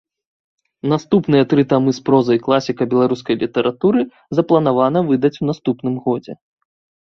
Наступныя тры тамы з прозай класіка беларускай літаратуры запланавана выдаць у наступным годзе.